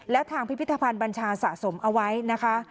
และทางพิพิธภัณฑ์บัญชาสะสมเอาไว้นะคะ